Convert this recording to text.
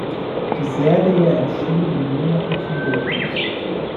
Die Serie erschien im monatlichen Rhythmus.